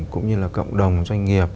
cũng như là cộng đồng doanh nghiệp